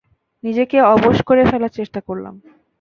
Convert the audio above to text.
নিজেকে অবশ করে ফেলার চেষ্টা করলাম।